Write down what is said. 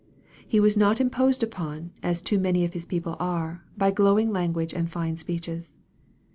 He was not imposed upon, as too many of His people are, by glowing language and fine speeches.